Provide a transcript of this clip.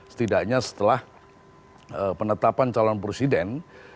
setidaknya setelah penetapan calon presiden